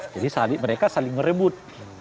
jadi mereka saling ngerebut